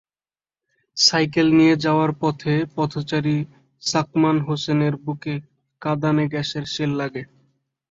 Cycle নিয়ে যাওয়ার পথে পথচারী সাকমান হোসেনের বুকে কাঁদানে গ্যাসের শেল লাগে।